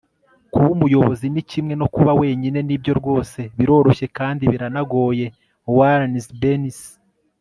kuba umuyobozi ni kimwe no kuba wenyine. nibyo rwose biroroshye kandi biranagoye. - warren bennis